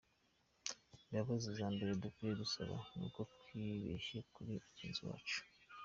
Imbabazi za mbere dukwiye gusaba ni uko twibeshye kuri mugenzi wacu.